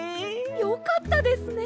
よかったですね！